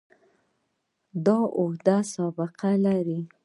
دا اوږده سابقه لري.